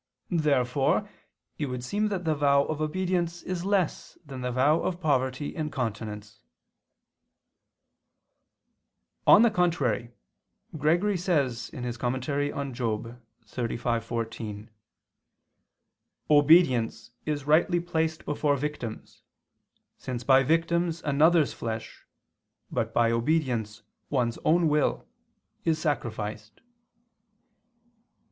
Therefore it would seem that the vow of obedience is less than the vow of poverty and continence. On the contrary, Gregory says (Moral. xxxv, 14): "Obedience is rightly placed before victims, since by victims another's flesh, but by obedience one's own will, is sacrificed."